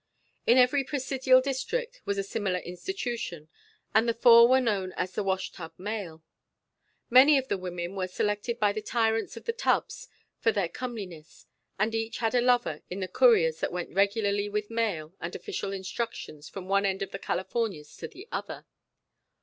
In every Presidial district was a similar institution, and the four were known as the "Wash Tub Mail." Many of the women were selected by the tyrants of the tubs for their comeliness, and each had a lover in the couriers that went regularly with mail and official instructions from one end of the Californias to the other.